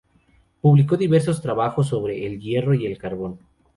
Publicó diversos trabajos sobre el hierro y el carbón.